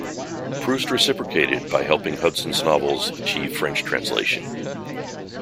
Proust reciprocated by helping Hudson's novels achieve French translation.